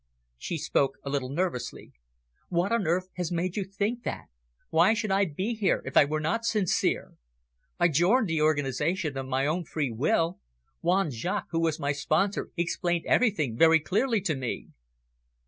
She spoke a little nervously. "What on earth has made you think that? Why should I be here if I were not sincere? I joined the organisation of my own free will. Juan Jaques, who was my sponsor, explained everything very clearly to me."